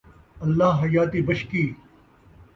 اللہ حیاتی بشکی